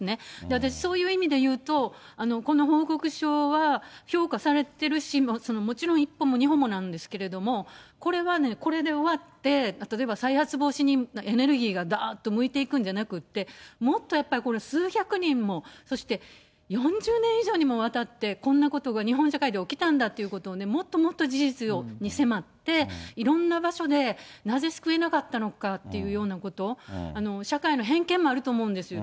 私、そういう意味でいうと、この報告書は評価されてるし、もちろん一歩も２歩もなんですけれども、これはこれで終わって、例えば再発防止にエネルギーがだーっと向いていくんじゃなくて、もっとやっぱりこれ、数百人も、そして４０年以上にもわたって、こんなことが日本社会で起きたんだということをね、もっともっと事実に迫って、いろんな場所でなぜ救えなかったのかというようなこと、社会の偏見もあると思うんですよ。